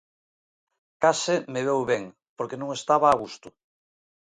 Case me veu ben, porque non estaba a gusto.